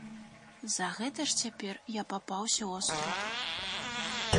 За гэта ж цяпер я папаўся ў астрог.